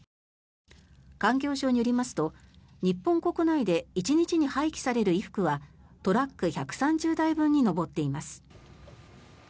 環境省によりますと、日本国内で１日に廃棄される衣服はトラック１３０台分に上っています。